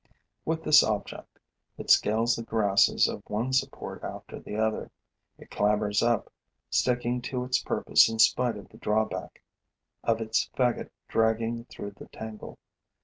With this object, it scales the grasses of one support after the other; it clambers up, sticking to its purpose in spite of the drawback of its faggot dragging through the tangle.